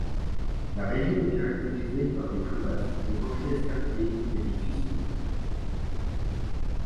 La région est caractérisée par des crevasses, des rochers escarpés et des fissures.